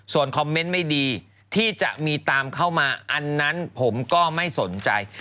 ส่วนคอมเมนต์ไม่ดีที่จะมีตามเข้ามาอันนั้นผมก็ไม่สนใจ